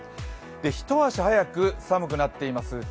一足早く寒くなっています